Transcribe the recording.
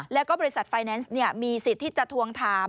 แล้วก็บริษัทไฟแนนซ์มีสิทธิ์ที่จะทวงถาม